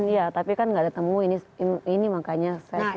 iya tapi kan gak ditemuin ini makanya saya semestinya